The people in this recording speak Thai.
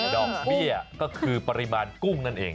ดอกเบี้ยก็คือปริมาณกุ้งนั่นเอง